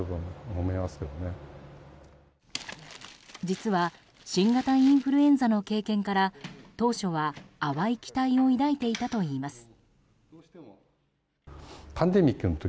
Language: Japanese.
実は新型インフルエンザの経験から当初は淡い期待を抱いていたといいます。